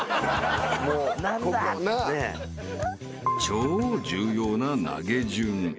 ［超重要な投げ順］